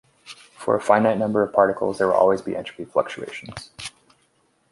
For a finite number of particles, there will always be entropy fluctuations.